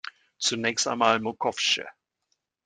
Zunächst einmal Mochovce.